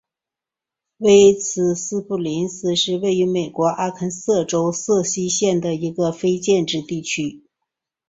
威茨斯普林斯是位于美国阿肯色州瑟西县的一个非建制地区。